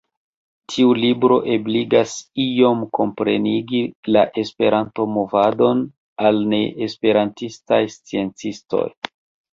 Tiu libro ebligas iom komprenigi la Esperanto-movadon al neesperantistaj sciencistoj.